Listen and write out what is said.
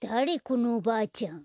このおばあちゃん。